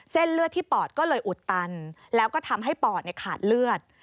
เส้นเลือดที่ปอดก็เลยอุดตันแล้วก็ทำให้ปอดขาดเลือด